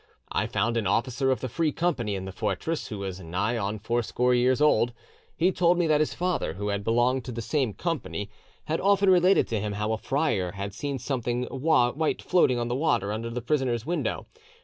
I found an officer of the Free Company in the fortress who was nigh on fourscore years old; he told me that his father, who had belonged to the same Company, had often related to him how a friar had seen something white floating on the water under the prisoner's window.